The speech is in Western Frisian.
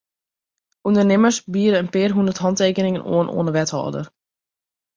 Undernimmers biede in pear hûndert hantekeningen oan oan de wethâlder.